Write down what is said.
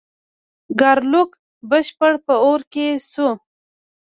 ګارلوک بشپړ په اور کې شو.